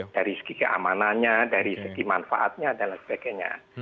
dari segi keamanannya dari segi manfaatnya dan lain sebagainya